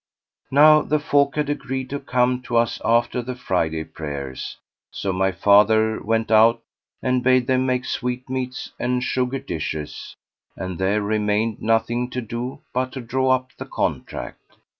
Now the folk had agreed to come to us after the Friday prayers; so my father went out and bade them make sweetmeats and sugared dishes, and there remained nothing to do but to draw up the contract.